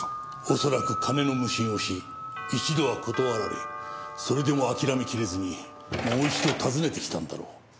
恐らく金の無心をし一度は断られそれでも諦めきれずにもう一度訪ねてきたんだろう。